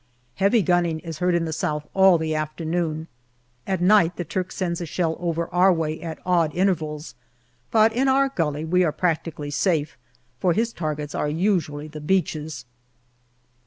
Heavy gunning is heard in the south all the afternoon ; at night the Turk sends a shell over our way at odd intervals, but in our gully we are practically safe, for his targets are usually the beaches.